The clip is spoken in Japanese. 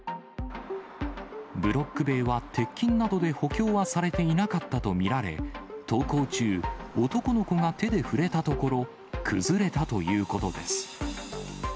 ブロック塀は、鉄筋などで補強はされていなかったと見られ、登校中、男の子が手で触れたところ、崩れたということです。